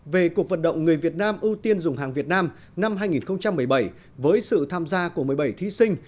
về cuộc vận động người việt nam ưu tiên dùng hàng việt nam năm hai nghìn một mươi bảy với sự tham gia của một mươi bảy thí sinh